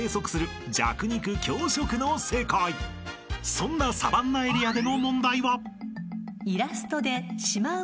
［そんなサバンナエリアでの問題は］